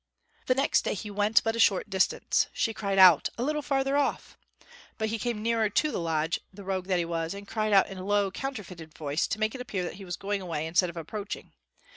The next day he went but a short distance. She cried out, "A little farther off;" but he came nearer to the lodge, the rogue that he was, and cried out in a low, counterfeited voice, to make it appear that he was going away instead of approaching.